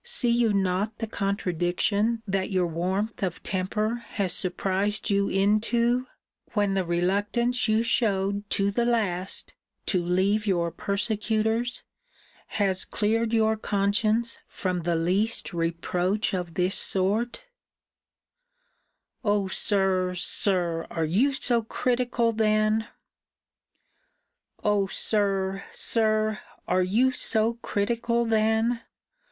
see you not the contradiction that your warmth of temper has surprised you into, when the reluctance you shewed to the last to leave your persecutors, has cleared your conscience from the least reproach of this sort?' O Sir! Sir! are you so critical then?